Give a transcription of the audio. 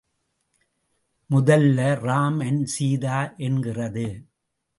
முதல்ல, ராம் அண்ட் சீதா என்கிறது.